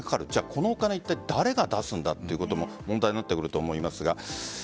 このお金、いったい誰が出すんだということも問題になってくると思いますが。